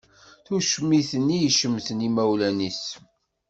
Tucmit-nni i icemmten imawlan-is.